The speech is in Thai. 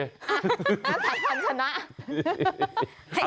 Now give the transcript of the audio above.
เอ้าทายพันธุ์ชนะ